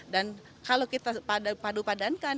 dan kalau kita padupadankan